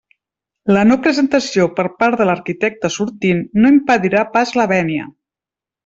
La no presentació per part de l'arquitecte sortint no impedirà pas la vènia.